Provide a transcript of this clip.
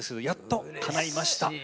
やっとかないました。